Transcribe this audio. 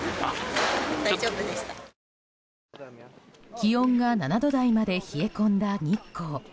気温が７度台まで冷え込んだ日光。